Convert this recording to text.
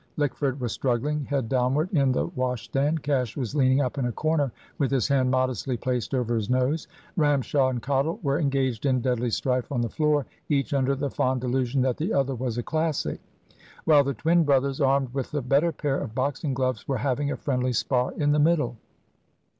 Lickford was struggling, head downward, in the wash stand. Cash was leaning up in a corner, with his hand modestly placed over his nose. Ramshaw and Cottle were engaged in deadly strife on the floor, each under the fond delusion that the other was a Classic; while the twin brothers, armed with the better pair of boxing gloves, were having a friendly spar in the middle.